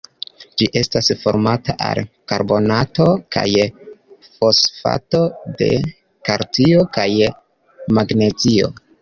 Ĝi estas formata el karbonato kaj fosfato de kalcio kaj magnezio.